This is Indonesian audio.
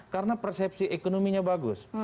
karena persepsi ekonominya bagus